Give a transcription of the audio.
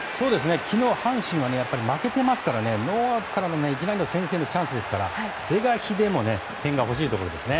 昨日阪神は負けていますからノーアウトからのいきなりの先制のチャンスですから是が非でも点が欲しいところですね。